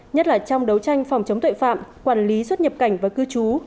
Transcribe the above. nhất là trong đấu tranh phòng chống tội phạm quản lý xuất nhập cảnh và cư trú